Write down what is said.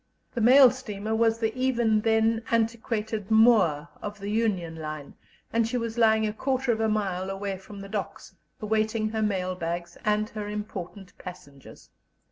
The mail steamer was the even then antiquated Moor of the Union Line, and she was lying a quarter of a mile away from the docks, awaiting her mail bags and her important passengers.